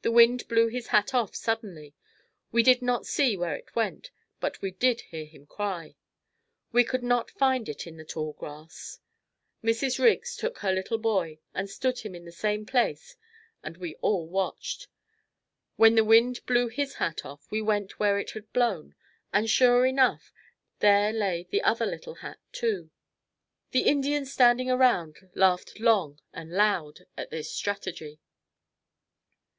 The wind blew his hat off suddenly. We did not see where it went but we did hear him cry. We could not find it in the tall grass. Mrs. Riggs took her little boy and stood him in the same place and we all watched. When the wind blew his hat off we went where it had blown and sure enough, there lay the other little hat too. The Indians standing around laughed long and loud at this strategy.